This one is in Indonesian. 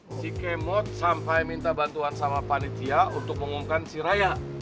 nah si k mod sampai minta bantuan sama panitia untuk mengumumkan si raya